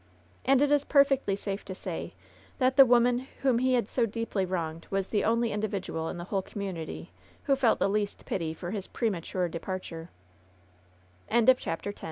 And it is perfectly safe to say that the woman whom he had so deeply wronged was the only individual in the whole community who felt the least pity for his prema tur